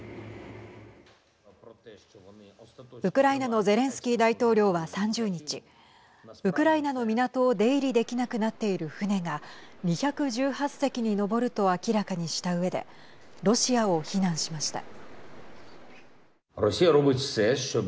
ウクライナのゼレンスキー大統領は３０日ウクライナの港を出入りできなくなっている船が２１８隻に上ると明らかにしたうえでロシアを非難しました。